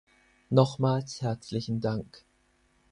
Nochmals herzlichen Dank.